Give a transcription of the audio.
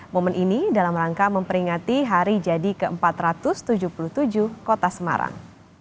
momen ini dalam rangka memperingati hari jadi ke empat ratus tujuh puluh tujuh kota semarang